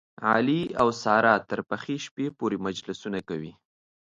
علي او ساره تر پخې شپې پورې مجلسونه کوي.